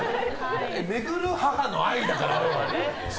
巡る母の愛だから。